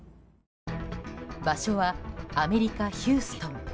場所はアメリカ・ヒューストン。